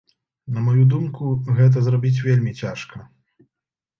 На маю думку, гэта зрабіць вельмі цяжка.